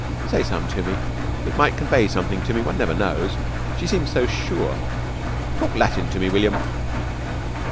"Say some to me. It might convey something to me. One never knows. She seems so sure. Talk Latin to me, William."